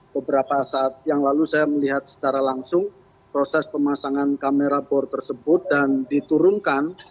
beberapa saat yang lalu saya melihat secara langsung proses pemasangan kamera bor tersebut dan diturunkan